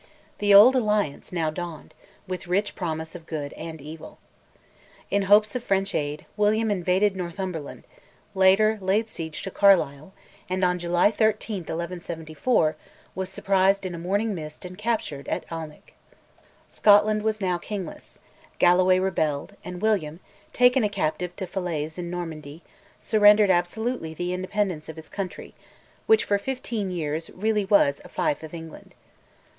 "The auld Alliance" now dawned, with rich promise of good and evil. In hopes of French aid, William invaded Northumberland, later laid siege to Carlisle, and on July 13, 1174, was surprised in a morning mist and captured at Alnwick. Scotland was now kingless; Galloway rebelled, and William, taken a captive to Falaise in Normandy, surrendered absolutely the independence of his country, which, for fifteen years, really was a fief of England.